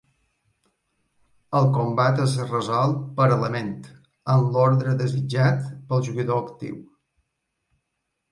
El combat es resol per element, en l'ordre desitjat pel jugador actiu.